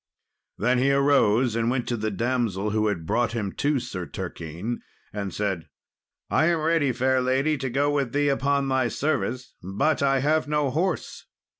Then he arose, and went to the damsel who had brought him to Sir Turquine, and said, "I am ready, fair lady, to go with thee upon thy service, but I have no horse."